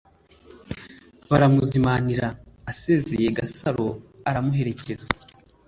baramuzimanira, asezeye gasaro aramuherekeza